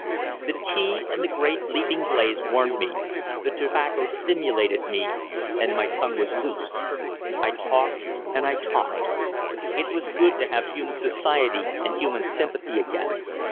The tea and the great leaping blaze warmed me, the tobacco stimulated me, and my tongue was loosed. I talked and I talked. It was good to have human society and human sympathy again.